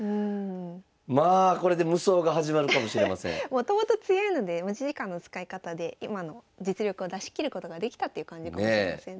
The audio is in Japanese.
もともと強いので持ち時間の使い方で今の実力を出し切ることができたっていう感じかもしれませんね。